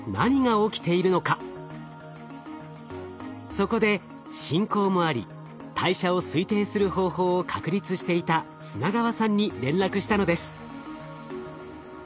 そこで親交もあり代謝を推定する方法を確立していた砂川さんに連絡したのです。